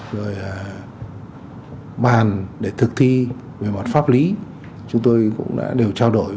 rồi bàn để thực thi về mặt pháp lý chúng tôi cũng đã đều trao đổi